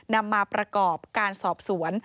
นำมาประกอบการสอบสวน